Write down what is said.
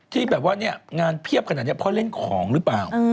ที่แบบว่างานเพี๊ยบขนาดนี้พ่อเล่นของหรือเปล่า